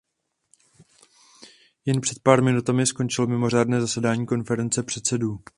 Jen před pár minutami skončilo mimořádné zasedání Konference předsedů.